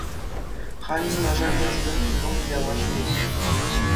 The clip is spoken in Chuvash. Халь юнашар ялсене футбол выляма ҫӳретпӗр.